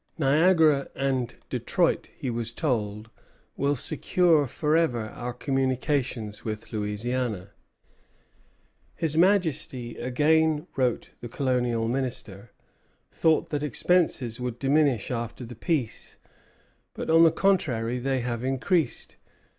"Niagara and Detroit," he was told, "will secure forever our communications with Louisiana." "His Majesty," again wrote the Colonial Minister, "thought that expenses would diminish after the peace; but, on the contrary, they have increased.